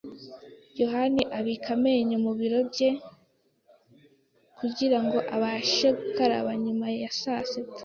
yohani abika amenyo mu biro bye kugirango abashe gukaraba nyuma ya sasita.